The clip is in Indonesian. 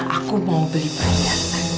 aku mau beli perayaan